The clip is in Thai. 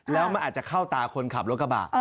แล้วมันอาจจะเข้าตาคนขับรถกระบะ